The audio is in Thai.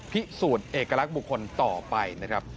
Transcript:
พิสูจน์เอกลักษณ์บุคคลต่อไป